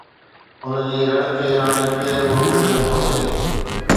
هن جي رڙ کي هاڻي ڪير به روڪي نٿو سگهي